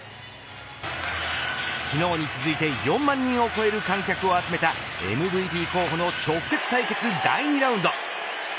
昨日に続いて４万人を超える観客を集めたＭＶＰ候補の直接対決第２ラウンド。